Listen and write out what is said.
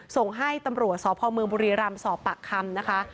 ส่งให้ตำรวจสพมบุรีรัมย์สปคนะคะ